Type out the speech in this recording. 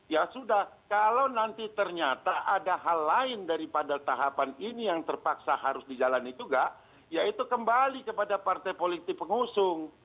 ya sudah kalau nanti ternyata ada hal lain daripada tahapan ini yang terpaksa harus dijalani juga yaitu kembali kepada partai politik pengusung